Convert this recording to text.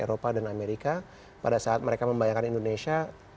eropa dan amerika pada saat mereka membayangkan indonesia